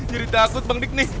jadi takut bangdik nih